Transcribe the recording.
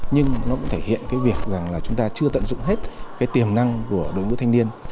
nhưng nó cũng thể hiện cái việc rằng là chúng ta chưa tận dụng hết cái tiềm năng của đội ngũ thanh niên